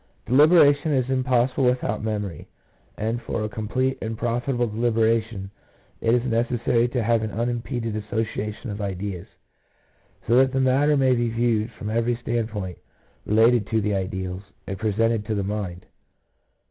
Deliberation is impossible without memory, and for a complete and profitable deliberation it is neces sary to have an unimpeded association of ideas, so that the matter may be viewed from every stand point related to the ideals, and presented to the mind.